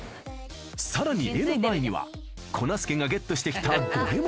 さらに絵の前には粉すけがゲットしてきた